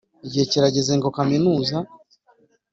igihe kirageze ngo kaminuza,